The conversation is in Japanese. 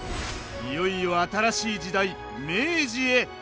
いよいよ新しい時代明治へ！